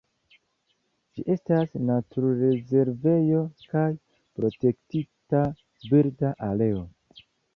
Ĝi estas naturrezervejo kaj Protektita birda areo.